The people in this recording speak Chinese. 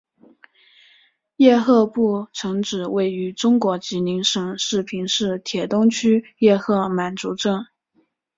叶赫部城址位于中国吉林省四平市铁东区叶赫满族镇。